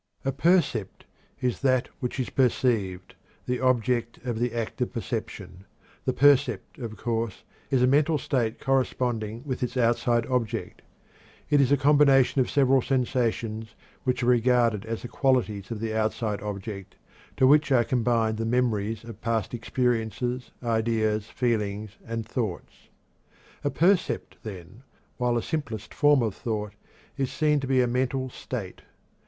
A percept is "that which is perceived; the object of the act of perception." The percept, of course, is a mental state corresponding with its outside object. It is a combination of several sensations which are regarded as the qualities of the outside object, to which are combined the memories of past experiences, ideas, feelings, and thoughts. A percept, then, while the simplest form of thought, is seen to be a mental state.